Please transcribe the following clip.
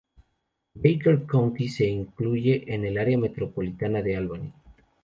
Baker County se incluye en el Área Metropolitana de Albany.